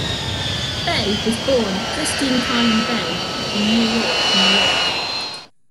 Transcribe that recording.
Bay was born Kristine Carlin Bay in New York, New York.